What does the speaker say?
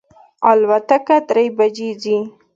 الوتکه درې بجی ځي